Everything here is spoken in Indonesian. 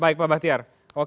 baik pak bahtiar